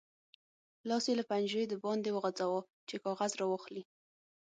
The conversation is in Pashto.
لاس یې له پنجرې د باندې وغځاوو چې کاغذ راواخلي.